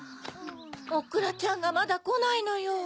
おくらちゃんがまだこないのよ。